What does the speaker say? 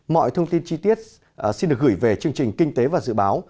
mọi thông tin chi tiết xin được gửi về chương trình kinh tế và dự báo